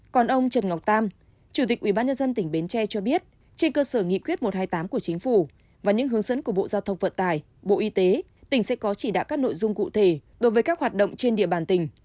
còn ông trần ngọc tam chủ tịch ubnd tỉnh bến tre cho biết trên cơ sở nghị quyết một trăm hai mươi tám của chính phủ và những hướng dẫn của bộ giao thông vận tải bộ y tế tỉnh sẽ có chỉ đạo các nội dung cụ thể đối với các hoạt động trên địa bàn tỉnh